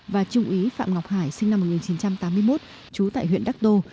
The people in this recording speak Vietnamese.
và trung úy phạm ngọc hải sinh năm một nghìn chín trăm tám mươi một trú tại huyện đắc đô